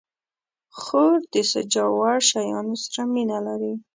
خور د سجاوړ شیانو سره مینه لري.